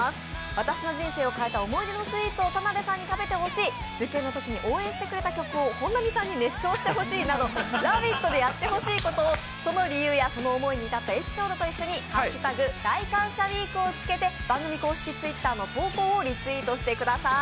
私の人生を変えた思い出のスイーツを田辺さんに食べてほしい、受験の時に応援された曲を本並さんに熱唱してほしいなど、「ラヴィット！」でやってほしいことを、その理由やその思いに至ったエピソードをと添えて「＃大感謝ウイーク」をつけて番組公式Ｔｗｉｔｔｅｒの投稿をリツイートしてください。